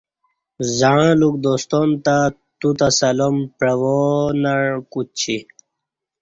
زعں لوک دوستان تہ توتہ سلام پعواݩع کوچی